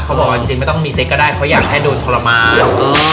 บอกว่าจริงไม่ต้องมีเซ็กก็ได้เขาอยากให้โดนทรมาน